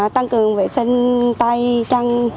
tăng cường vệ sinh tay chăn